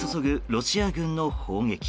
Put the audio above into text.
ロシア軍の砲撃。